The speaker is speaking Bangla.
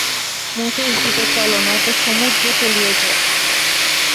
মুকেশ দ্বীপে চলো নয়তো সমুদ্রে তলিয়ে যাও।